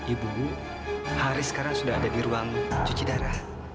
ibu haris sekarang sudah ada di ruang cuci darah